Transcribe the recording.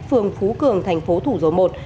phường phú cường thành phố thủ dầu một